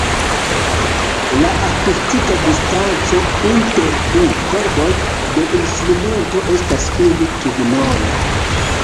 La akustika distanco inter du kordoj de instrumento estas unu kvinono.